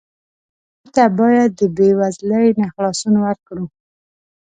ټپي ته باید د بېوزلۍ نه خلاصون ورکړو.